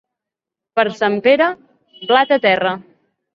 Per Sant Pere, blat a terra.